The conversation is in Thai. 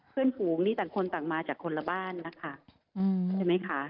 ฝูงนี่ต่างคนต่างมาจากคนละบ้านนะคะใช่ไหมคะ